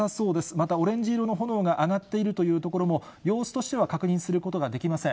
またオレンジ色の炎が上がっているという所も、様子としては確認することができません。